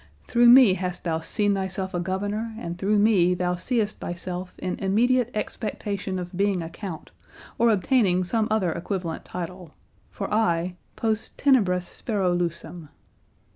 Through me hast thou seen thyself a governor, and through me thou seest thyself in immediate expectation of being a count, or obtaining some other equivalent title, for I post tenebras spero lucem."